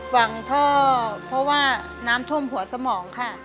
ฝั่งท่อเพราะว่าน้ำท่วมหัวสมองค่ะ